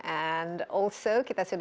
and also kita sudah di